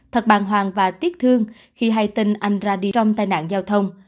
thật bàng hoàng và tiếc thương khi hai tên anh ra đi trong tai nạn giao thông